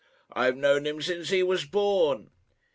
I have known him since he was born."